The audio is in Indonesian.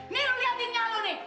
nih lu liatinnya lu nih